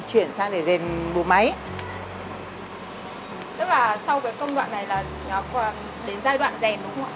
sau cái công đoạn này là nó đến giai đoạn dền đúng không ạ